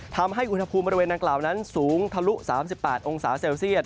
ทำให้อุณหภูมิบริเวณดังกล่าวนั้นสูงทะลุ๓๘องศาเซลเซียต